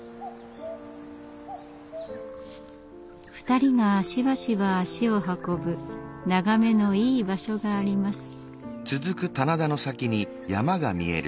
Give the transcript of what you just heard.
２人がしばしば足を運ぶ眺めのいい場所があります。